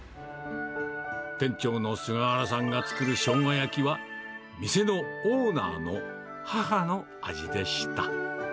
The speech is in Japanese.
店長の菅原さんが作るしょうが焼きは、店のオーナーの母の味でした。